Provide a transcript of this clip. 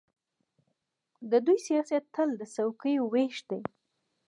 د دوی سیاست تل د څوکۍو وېش دی.